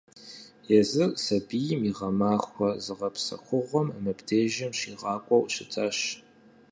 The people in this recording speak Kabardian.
Езыр щысабийм и гъэмахуэ зыгъэпсэхугъуэр мыбдежым щигъакӀуэу щытащ.